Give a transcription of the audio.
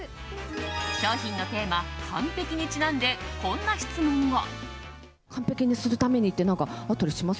商品のテーマ、完璧にちなんでこんな質問を。